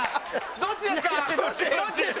どっちですか？